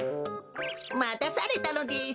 またされたのです。